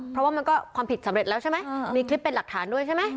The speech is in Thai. เพราะว่ามันก็ความผิดสำเร็จแล้วใช่ไหมมีคลิปเป็นหลักฐานด้วยใช่ไหม